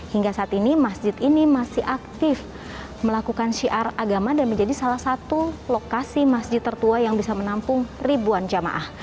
hingga saat ini masjid ini masih aktif melakukan syiar agama dan menjadi salah satu lokasi masjid tertua yang bisa menampung ribuan jamaah